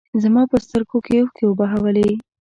زما په سترګو کې اوښکې وبهولې.